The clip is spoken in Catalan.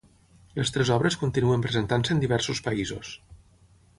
Les tres obres continuen presentant-se en diversos països.